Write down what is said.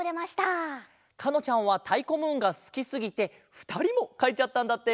かのちゃんはたいこムーンがすきすぎてふたりもかいちゃったんだって。